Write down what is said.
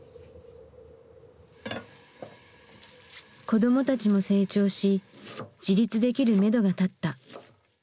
子どもたちも成長し自立できるめどが立った。